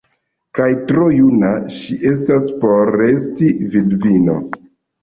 Kaj tro juna ŝi estas por resti vidvino!